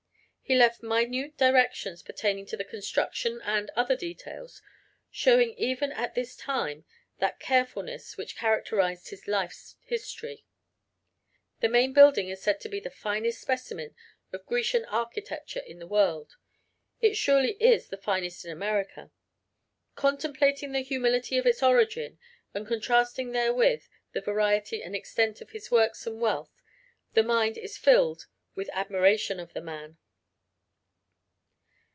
He left minute directions pertaining to the construction and other details, showing even at this time that carefulness, which characterized his life's history. The main building is said to be the finest specimen of Grecian architecture in the world, it surely is the finest in America. "Contemplating the humility of his origin, and contrasting therewith the variety and extent of his works and wealth, the mind is filled with admiration of the man."